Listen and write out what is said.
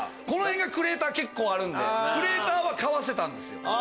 この辺クレーター結構あるんでクレーターはかわせたんですよ。